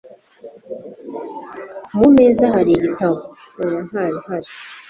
mu meza hari igitabo? oya, nta bihari